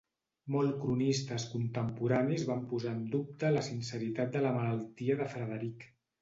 Molt cronistes contemporanis van posar en dubte la sinceritat de la malaltia de Frederic.